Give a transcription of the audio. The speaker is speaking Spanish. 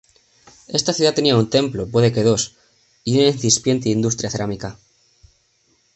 Esta ciudad tenía un templo, puede que dos, y una incipiente industria cerámica.